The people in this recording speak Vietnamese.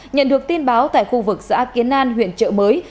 nhận được tin báo tại khu vực xã kiến an huyện trợ mới